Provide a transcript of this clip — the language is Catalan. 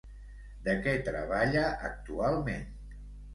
De què treballa actualment?